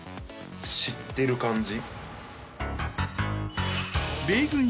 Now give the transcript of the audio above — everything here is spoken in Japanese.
知ってる感じ。